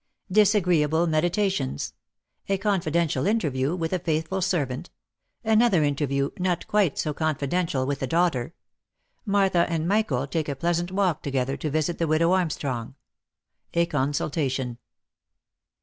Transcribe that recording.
DISAGREEAELE MEDITATIONS A CONFIDENTIAL INTERVIEW WITH A FAITHFUL SERVANT ANOTHER INTERVIEW, NOT QUITE SO CONFI DENTIAL WITH A DAUGHTER MARTHA AND MICHAEL TAKE A PLEASANT WALK TOGETHER TO VISIT THE WIDOW ARMSTRONG A CONSULTATION.